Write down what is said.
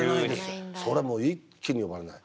そりゃもう一気に呼ばれない。